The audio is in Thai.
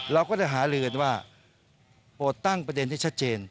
เราก็จะหาลือว่าโปรดตั้งประเด็นที่ชัดเจน